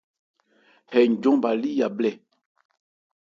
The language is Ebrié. Hɛ njɔn bha lí yabhlɛ́.